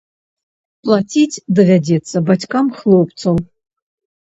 Плаціць давядзецца бацькам хлопцаў.